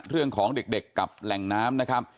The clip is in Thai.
เรื่องของเด็กกับแหล่งน้ำนะครับ